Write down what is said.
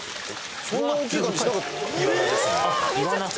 そんな大きい感じしなかった。